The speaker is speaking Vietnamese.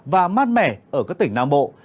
và mát mẻ ở các tỉnh nam bộ